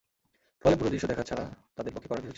ফলে পুরো দৃশ্য দেখা ছাড়া তাদের পক্ষে করার কিছু ছিল না।